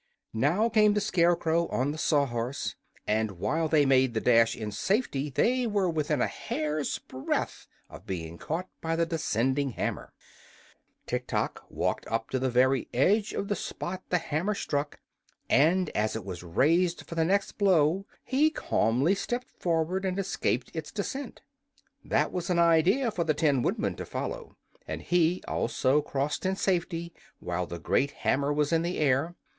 Now came the Scarecrow on the Sawhorse, and while they made the dash in safety they were within a hair's breadth of being caught by the descending hammer. Tiktok walked up to the very edge of the spot the hammer struck, and as it was raised for the next blow he calmly stepped forward and escaped its descent. That was an idea for the Tin Woodman to follow, and he also crossed in safety while the great hammer was in the air.